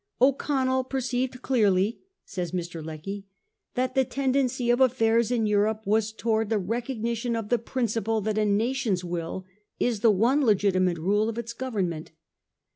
' O'Connell perceived clearly,' says Mr. Lecky, £ that the tendency of affairs in Europe was towards the recognition of the principle that a nation's will is the one legitimate rule of its govern ment.